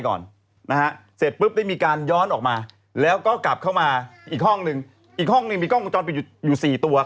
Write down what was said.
เขาเชื่อว่าอย่างนั้นแต่เราก็ยังไม่รู้